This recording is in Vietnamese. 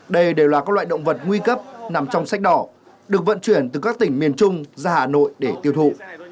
đây đều là các loại động vật nguy cấp nằm trong sách đỏ được vận chuyển từ các tỉnh miền trung ra hà nội để tiêu thụ